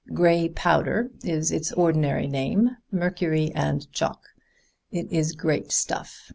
Gray powder is its ordinary name mercury and chalk. It is great stuff.